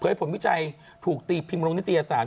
เผยผลวิจัยถูกตีพิมพ์ลงในวิทยาศาสตร์